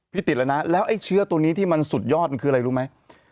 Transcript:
ติดแล้วนะแล้วไอ้เชื้อตัวนี้ที่มันสุดยอดมันคืออะไรรู้ไหม